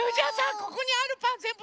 ここにあるパンぜんぶ